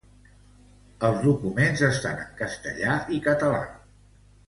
Els documents estan en castellà i català.